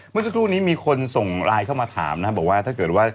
เมื่อสักครู่นี้มีคนส่งไลน์เข้ามาถามนะครับบอกว่าถ้าเกิดว่า